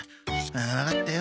わかったよ。